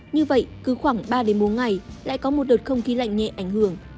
như vậy cứ khoảng ba bốn ngày lại có một đợt không khí lạnh nhẹ ảnh hưởng